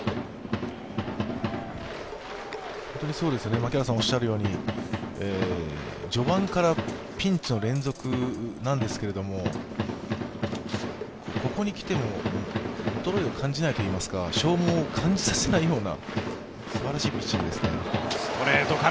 槙原さんおっしゃるように、序盤からピンチの連続なんですけれども、ここにきて、衰え、消耗を感じさせないようなすばらしいピッチングですね。